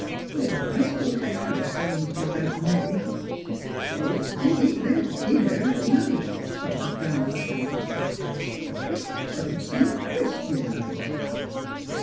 "" Well, I s'pose I'd feel some easier 'bout Milly ef them folks didn't eat their dinner at night," quavered Grandmother, plaintively. " It don't seem Christian like."